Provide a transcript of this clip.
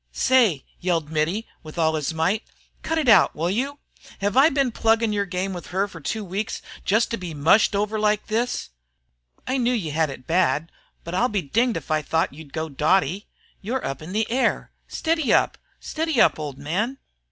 "Say!" yelled Mittie, with all his might. "Cut it out, will you? Hev' I been pluggin' yer game with her fer two weeks jest to be mushed over like this? I knew you had it bad, but I'll be dinged if I thought you'd go dotty. You're up in the air. Steady up! Steady up, old man!